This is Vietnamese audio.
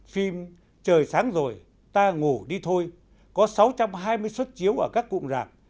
phim trời sáng rồi ta ngủ đi thôi có sáu trăm hai mươi xuất chiếu ở các cụm rạp